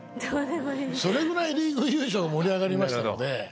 それぐらいリーグ優勝が盛り上がりましたので。